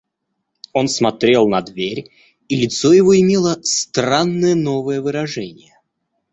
Он смотрел на дверь, и лицо его имело странное новое выражение.